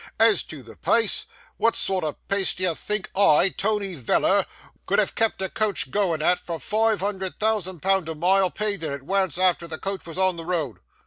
As to the pace, wot sort o' pace do you think I, Tony Veller, could have kept a coach goin' at, for five hundred thousand pound a mile, paid in adwance afore the coach was on the road?